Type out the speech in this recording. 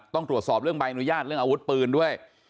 ต้องตรวจสอบเรื่องใบอนุญาตเรื่องอาวุธปืนด้วย